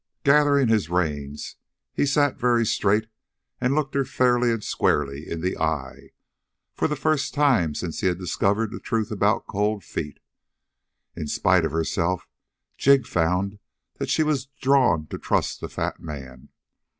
Gathering his reins, he sat very straight and looked her fairly and squarely in the eye, for the first time since he had discovered the truth about Cold Feet. In spite of herself Jig found that she was drawn to trust the fat man.